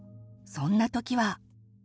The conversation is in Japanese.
そんな時は？